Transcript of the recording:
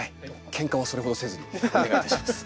ケンカはそれほどせずにお願いいたします。